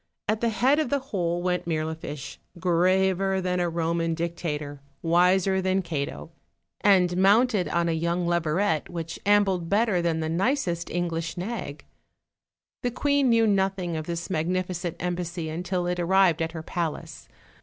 At the head of the whole went Mirlifiche, graver than a Eoman dictator, 194 OLD, OLD FAIRY TALES. wiser than Cato, and mounted on a young leveret which ambled better than the nicest English nag. The queen knew nothing of this magnificent embassy until it arrived at her palace.